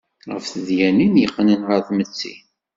Ɣef tedyanin yeqqnen ɣer tmetti.